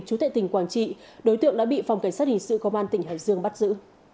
chú tại tỉnh quảng trị đối tượng đã bị phòng cảnh sát hình sự công an tỉnh hải dương bắt giữ